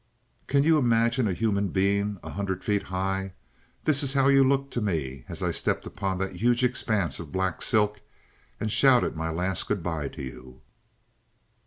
"Can you imagine a human being a hundred feet high? That is how you looked to me as I stepped upon that huge expanse of black silk and shouted my last good bye to you!